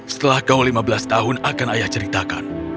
setelah kaum lima belas tahun akan ayah ceritakan